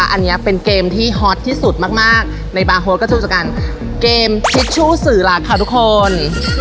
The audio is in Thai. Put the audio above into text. อันนี้เป็นเกมที่ฮอตที่สุดมากในบาร์โฮสก็ดูจากการเกมทิชชู่สื่อรักค่ะทุกคน